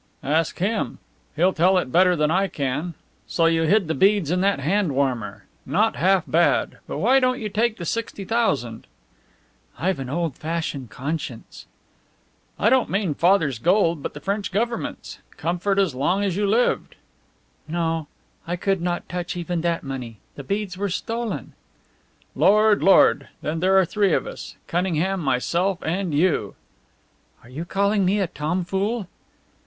"Ask him. He'll tell it better than I can. So you hid the beads in that hand warmer! Not half bad. But why don't you take the sixty thousand?" "I've an old fashioned conscience." "I don't mean Father's gold, but the French Government's. Comfort as long as you lived." "No, I could not touch even that money. The beads were stolen." "Lord, Lord! Then there are three of us Cunningham, myself, and you!" "Are you calling me a tomfool?"